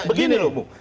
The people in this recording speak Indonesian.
begini loh bung